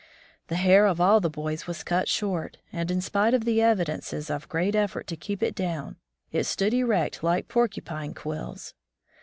The hair of all the boys was cut short, and, in spite of the evidences of great eflFort to keep it down, it stood erect like porcupine quills.